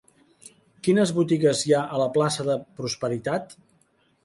Quines botigues hi ha a la plaça de Prosperitat?